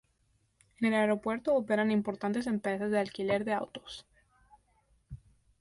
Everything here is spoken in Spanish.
En el aeropuerto operan importantes empresas de alquiler de autos.